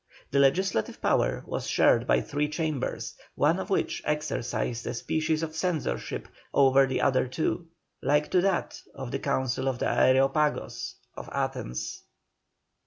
The legislative power was shared by three chambers, one of which exercised a species of censorship over the other two, like to that of the Council of the Areopagos of Athens.